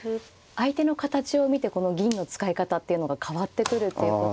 相手の形を見てこの銀の使い方っていうのが変わってくるっていうこと。